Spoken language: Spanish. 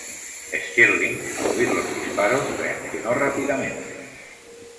Stirling, al oír los disparos reaccionó rápidamente.